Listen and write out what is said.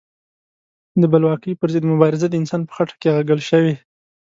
د بلواکۍ پر ضد مبارزه د انسان په خټه کې اغږل شوې.